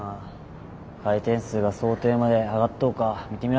回転数が想定まで上がっとうか見てみらないかんね。